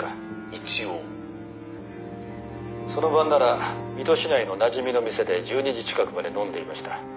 「一応」「その晩なら水戸市内のなじみの店で１２時近くまで飲んでいました」